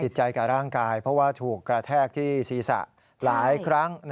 ใจกับร่างกายเพราะว่าถูกกระแทกที่ศีรษะหลายครั้ง